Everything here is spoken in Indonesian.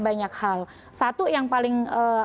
banyak hal satu yang paling